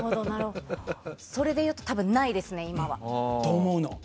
それで言うと多分ないですね、今は。